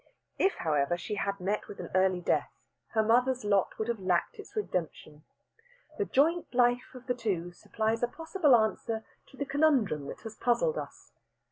If, however, she had met with an early death, her mother's lot would have lacked its redemption. The joint life of the two supplies a possible answer to the conundrum that has puzzled us.